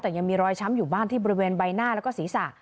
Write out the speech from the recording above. แต่ยังมีรอยช้ำอยู่บ้านที่บริเวณใบหน้าแล้วก็ศีรษะ